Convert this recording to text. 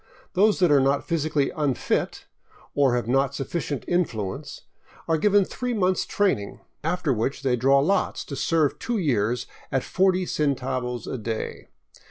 Those that are not physically unfit, or have not sufficient influence, are given three months training, after which they draw lots to serve two years at 40 centavos a day.